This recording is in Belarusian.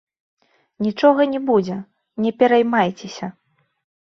Нічога не будзе, не пераймайцеся.